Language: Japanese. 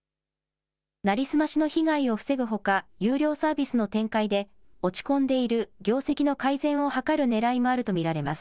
成り済ましの被害を防ぐほか、有料サービスの展開で、落ち込んでいる業績の改善を図るねらいもあると見られます。